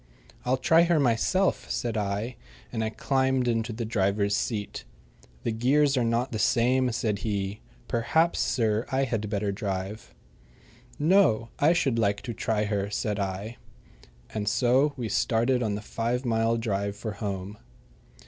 "I'll try her myself," said I, and I climbed into the driver's seat. "The gears are not the same," said he. "Perhaps, sir, I had better drive." "No; I should like to try her," said I. And so we started on the five mile drive for home.